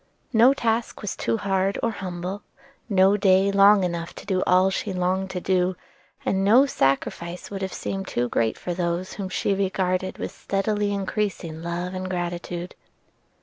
No task was too hard or humble; no day long enough to do all she longed to do; and no sacrifice would have seemed too great for those whom she regarded with steadily increasing love and gratitude.